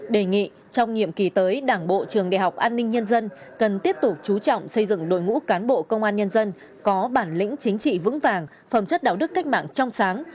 đề nghị trong nhiệm kỳ tới đảng bộ trường đại học an ninh nhân dân cần tiếp tục chú trọng xây dựng đội ngũ cán bộ công an nhân dân có bản lĩnh chính trị vững vàng phẩm chất đạo đức cách mạng trong sáng